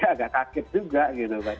agak kaget juga gitu kan